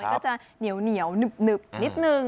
ก็จะเหนียวหนึบนิดนึง